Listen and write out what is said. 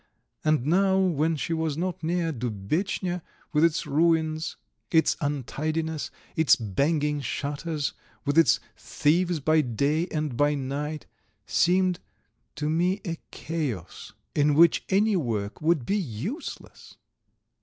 And now when she was not near, Dubetchnya, with its ruins, its untidiness, its banging shutters, with its thieves by day and by night, seemed to me a chaos in which any work would be useless.